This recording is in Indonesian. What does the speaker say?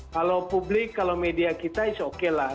kalau publik kalau media kita itu oke lah